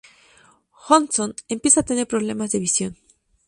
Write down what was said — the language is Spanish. Hudson empieza a tener problemas de visión.